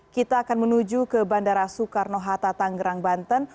dia akan menuju ke bandara soekarno hatta tangerang banten